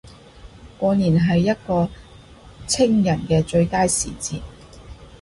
過年係一個清人既最佳時節